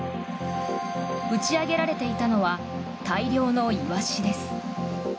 打ち上げられていたのは大量のイワシです。